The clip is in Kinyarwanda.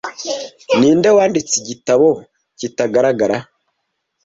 Ninde wanditse igitabo kitagaragara